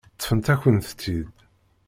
Ṭṭfent-akent-t-id.